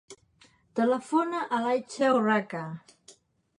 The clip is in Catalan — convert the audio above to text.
Telefona a l'Aicha Urraca.